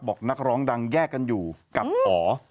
นักร้องดังแยกกันอยู่กับอ๋อ